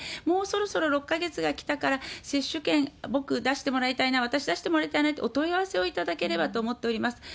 もうそろそろ６か月がきたから接種券、僕出してもらいたいな、私出してもらいたいなって、お問い合わせをいただければと思っております。